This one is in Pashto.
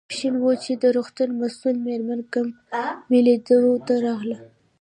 ماپیښین و، چې د روغتون مسؤله مېرمن کمپن مې لیدو ته راغلل.